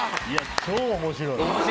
超面白い。